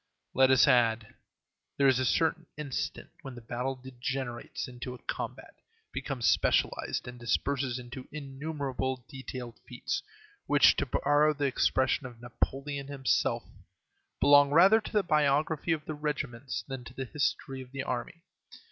Let us add, that there is a certain instant when the battle degenerates into a combat, becomes specialized, and disperses into innumerable detailed feats, which, to borrow the expression of Napoleon himself, "belong rather to the biography of the regiments than to the history of the army."